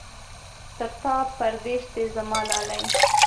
تر تا پردېس دی زما لالی.